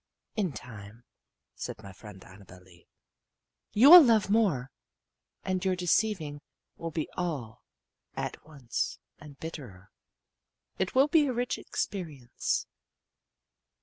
"In time," said my friend Annabel Lee, "you will love more, and your deceiving will be all at once, and bitterer. It will be a rich experience."